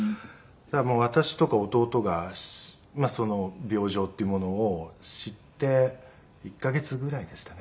私とか弟がその病状っていうものを知って１カ月ぐらいでしたね。